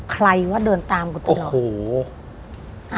ใครว่าเดินตามกว่าตัวเอง